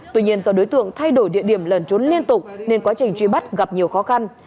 tuy nhiên do đối tượng thay đổi địa điểm lẩn trốn liên tục nên quá trình truy bắt gặp nhiều khó khăn